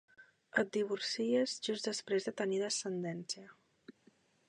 Et divorcies just després de tenir descendència.